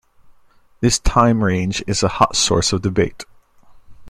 This time range is a hot source of debate.